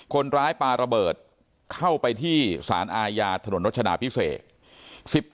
คนร้ายปาระเบิดเข้าไปที่สารอาญาถนนรัชดาพิเศษ